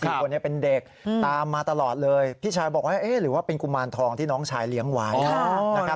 คือคนนี้เป็นเด็กตามมาตลอดเลยพี่ชายบอกว่าเอ๊ะหรือว่าเป็นกุมารทองที่น้องชายเลี้ยงไว้นะครับ